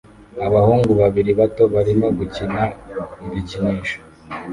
Abahungu babiri bato barimo gukina ibikinisho